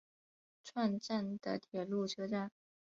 串站的铁路车站。